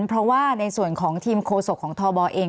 เพราะว่าในส่วนของทีมโฆษกของทบเอง